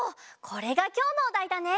これがきょうのおだいだね？